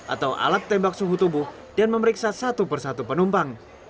atau alat tembak suhu tubuh dan memeriksa satu persatu penumpang